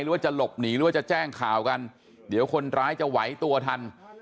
หรือว่าจะหลบหนีหรือว่าจะแจ้งข่าวกันเดี๋ยวคนร้ายจะไหวตัวทัน